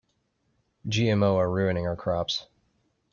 GMO are ruining our crops.